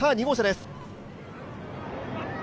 ２号車です。